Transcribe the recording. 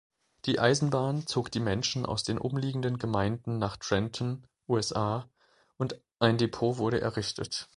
Die Eisenbahn zog die Menschen aus den umliegenden Gemeinden nach Trenton, USA, und ein Depot wurde errichtet.